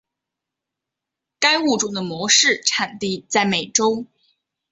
该物种的模式产地在美洲。